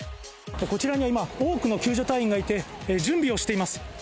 こちらには今、多くの救助隊員がいて準備をしています。